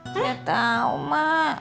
gak tau mak